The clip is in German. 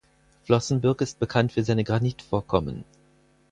Flossenbürg ist bekannt für seine Granitvorkommen.